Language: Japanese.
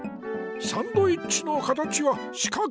サンドイッチの形はしかく？